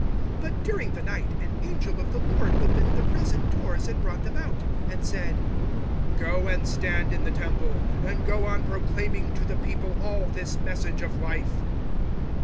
005:019 But during the night an angel of the Lord opened the prison doors and brought them out, and said, 005:020 "Go and stand in the Temple, and go on proclaiming to the people all this Message of Life."